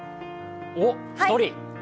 おっ、１人。